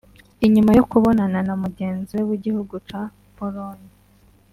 Inyuma yo kubonana na mugenzi we w'igihugu ca Pologne